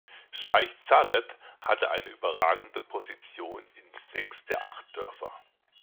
Scheich Zayed hatte eine überragende Position in sechs der acht Dörfer.